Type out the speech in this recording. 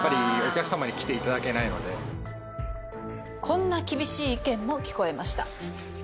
こんな厳しい意見も聞こえました。